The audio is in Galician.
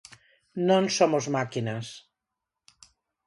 Non somos máquinas.